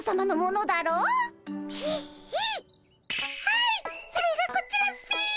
はいそれがこちらっピィ！